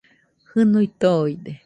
Jɨnui toide